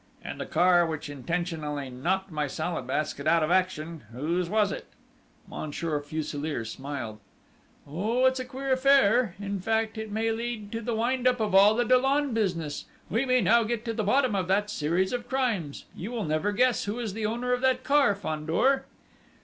"And the car which intentionally knocked my Salad Basket out of action whose was it?" Monsieur Fuselier smiled. "Oh, it's a queer affair, in fact, it may lead to the wind up of all the Dollon business we may now get to the bottom of that series of crimes!... You will never guess who is the owner of that car, Fandor?..."